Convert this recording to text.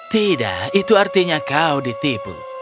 tidak itu artinya kau ditipu